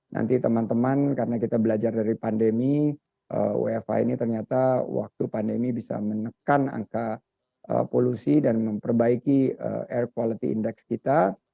nanti teman teman karena kita belajar dari pandemi wfh ini ternyata waktu pandemi bisa menekan angka polusi dan memperbaiki air quality index kita